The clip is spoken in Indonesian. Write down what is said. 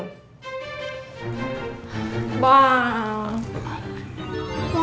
gak siap jadi orang terkenal